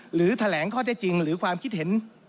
หรือแถลงข้อเท็จจริงหรือความคิดเห็น